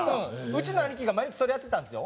うちの兄貴が毎日それやってたんですよ。